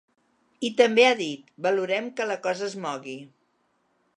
I també ha dit: Valorem que la cosa es mogui.